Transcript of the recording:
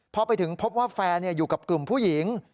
พอไปถึงพบว่าแฟนอยู่กับกลุ่มผู้หญิง